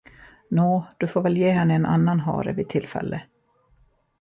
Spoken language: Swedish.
Nå, du får väl ge henne en annan hare vid tillfälle!